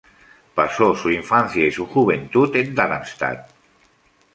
Pasó su infancia y su juventud en Darmstadt.